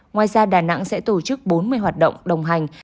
ngoài ra đà nẵng sẽ tổ chức bốn mươi hoạt động đồng hành